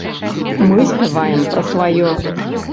Мы спяваем пра сваё.